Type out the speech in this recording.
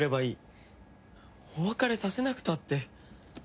お別れさせなくたって。